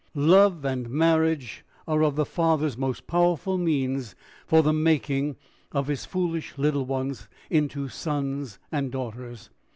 Love and marriage are of the Father's most powerful means for the making of his foolish little ones into sons and daughters.